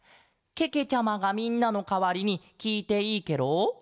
けけちゃまがみんなのかわりにきいていいケロ？